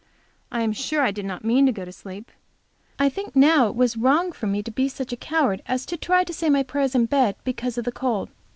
I am sure I did not mean to go to sleep. I think now it was wrong for me to be such a coward as to try to say my prayers in bed because of the cold.